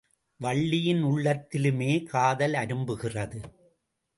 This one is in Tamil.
வள்ளியின் உள்ளத்திலுமே காதல் அரும்புகிறது.